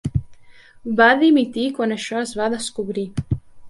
Va dimitir quan això es va descobrir.